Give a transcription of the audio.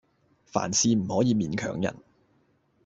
凡事唔可以勉強人